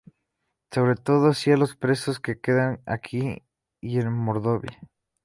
Sobre todo hacia los presos que quedan aquí y en Mordovia.